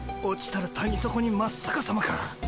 落ちたら谷そこにまっさかさまか。